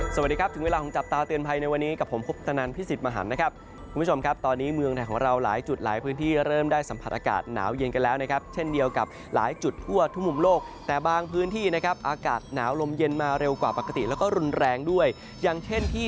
สวัสดีครับถึงเวลาของจับตาเตือนภัยในวันนี้กับผมคุปตนันพิสิทธิ์มหันนะครับคุณผู้ชมครับตอนนี้เมืองไทยของเราหลายจุดหลายพื้นที่เริ่มได้สัมผัสอากาศหนาวเย็นกันแล้วนะครับเช่นเดียวกับหลายจุดทั่วทุกมุมโลกแต่บางพื้นที่นะครับอากาศหนาวลมเย็นมาเร็วกว่าปกติแล้วก็รุนแรงด้วยอย่างเช่นที่